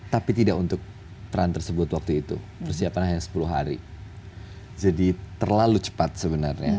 tapi tidak untuk peran tersebut waktu itu persiapan hanya sepuluh hari jadi terlalu cepat sebenarnya